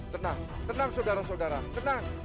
tenang tenang saudara saudara tenang